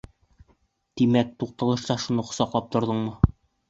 Тимәк, туҡталышта шуны ҡосаҡлап торҙоңмо?